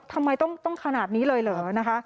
ทำไมต้องขนาดนี้เลยเหรอนะคะ